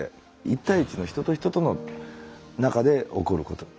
一対一の人と人の中で起こること。